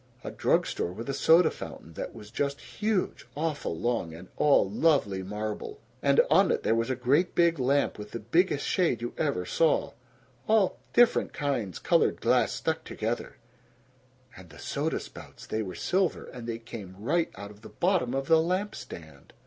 A drug store with a soda fountain that was just huge, awful long, and all lovely marble; and on it there was a great big lamp with the biggest shade you ever saw all different kinds colored glass stuck together; and the soda spouts, they were silver, and they came right out of the bottom of the lamp stand!